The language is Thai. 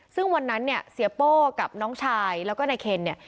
ซึ่งวันนั้นเนี่ยเสียโป้กับน้องชายแล้วก็นายเคนเนี่ย